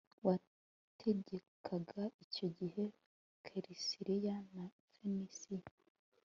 wategekaga icyo gihe kelesiriya na fenisiya